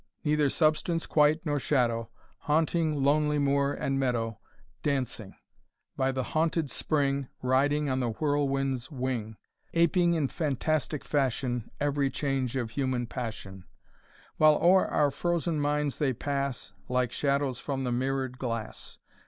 Neither substance quite nor shadow, Haunting lonely moor and meadow, Dancing; by the haunted spring, Riding on the whirlwind's wing; Aping in fantastic fashion Every change of human passion, While o'er our frozen minds they pass, Like shadows from the mirror'd glass.